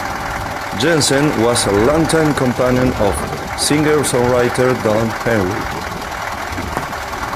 Jensen was a longtime companion of singer-songwriter Don Henley.